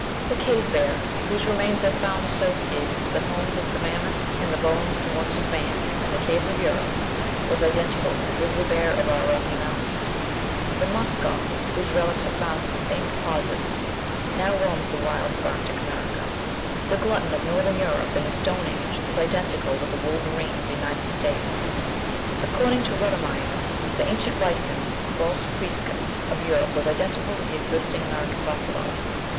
The cave bear, whose remains are found associated with the bones of the mammoth and the bones and works of man in the caves of Europe, was identical with the grizzly bear of our Rocky Mountains. The musk ox, whose relics are found in the same deposits, now roams the wilds of Arctic America. The glutton of Northern Europe, in the Stone Age, is identical with the wolverine of the United States. According to Rutimeyer, the ancient bison (Bos priscus) of Europe was identical with the existing American buffalo.